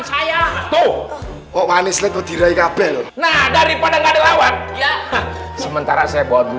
saya tuh kok manisnya tuh diraih kabel nah daripada nggak ada lawan sementara saya bawa